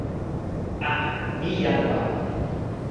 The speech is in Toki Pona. a, mi jan lawa.